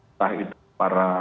entah itu para